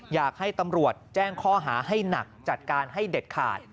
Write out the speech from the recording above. อยากให้ตำรวจแจ้งข้อหาให้หนักจัดการให้เด็ดขาด